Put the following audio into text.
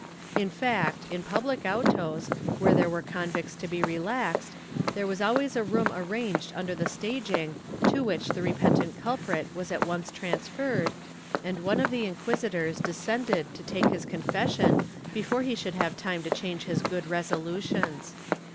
^ In fact, in public autos, where there were convicts to be relaxed, there was always a room arranged under the staging to which the repentant culprit was at once transferred and one of the inquisitors descended to take his confession before he should have time to change his good resolutions.